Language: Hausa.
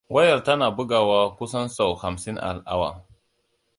Wayar tana bugawa kusan sau hamsin a awa.